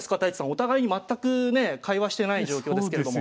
お互いに全くねえ会話してない状況ですけれども。